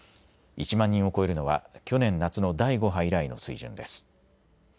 １万人を超えるのは去年夏の第５波以来の水準です。